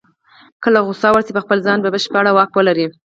کله غوسه ورشي په خپل ځان بشپړ واک ولري.